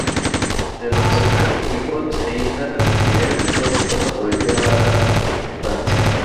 De los ocho hijos e hijas de Fidel, solo cuatro sobrevivieron a la infancia.